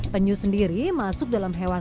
penyu sendiri masuk dalam kondisi penyut